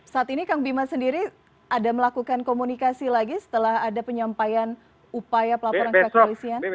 saat ini kang bima sendiri ada melakukan komunikasi lagi setelah ada penyampaian upaya pelaporan ke polisian